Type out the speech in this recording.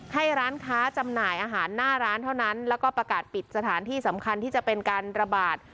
ให้ร้านค้าจำหน่ายอาหารหน้าร้านเท่านั้นแล้วก็ประกาศปิดสถานที่สำคัญที่จะเป็นการระบาด